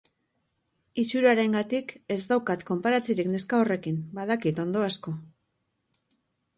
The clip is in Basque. Itxurarengatik, ez daukat konparatzerik neska horrekin, badakit ondo asko.